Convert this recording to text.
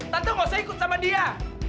tante gak usah ikut sama dia